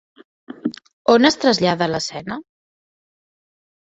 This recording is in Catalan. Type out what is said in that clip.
On es trasllada l'escena?